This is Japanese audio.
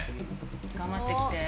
頑張ってきて。